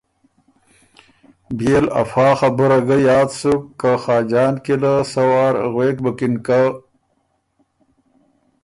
بيې ل افا خبُره ګه یاد سُک که خاجان کی له سۀ وار غوېک بُکِن که ”